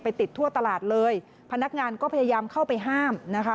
ติดทั่วตลาดเลยพนักงานก็พยายามเข้าไปห้ามนะคะ